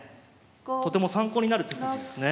とても参考になる手筋ですね。